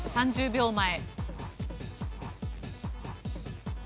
１０秒前。